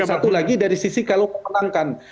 satu lagi dari sisi kalau kemenangan